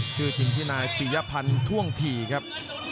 ชื่อจินที่นายปียะพันธุ่งถี่ครับ